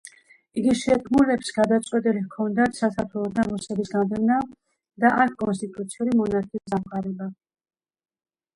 იგი შეთქმულებს გადაწყვეტილი ჰქონდათ საქართველოდან რუსების განდევნა და აქ კონსტიტუციური მონარქიის დამყარება.